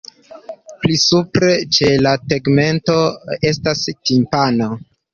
Pli supre ĉe la tegmento estas timpano.